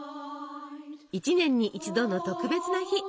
一年に一度の特別な日！